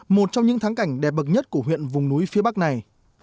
một trong những tháng cảnh đẹp bậc nhất của huyện vùng núi phía bắc này